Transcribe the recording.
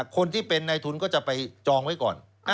คนที่เป็นในทุนก็จะไปจองไว้ก่อน